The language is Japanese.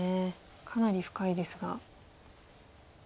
かなり深いですが。